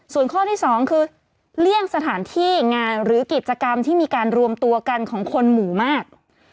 ส่วนข้อที่สองคือเลี่ยงสถานที่งานหรือกิจกรรมที่มีการรวมตัวกันของคนหมู่มาก